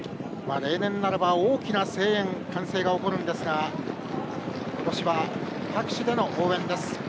例年ならば大きな声援、歓声が起こるんですがことしは拍手での応援です。